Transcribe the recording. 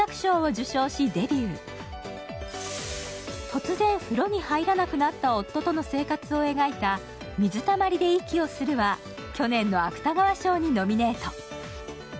突然、風呂に入らなくなった夫との生活を描いた「水たまりで息をする」は去年の芥川賞にノミネート。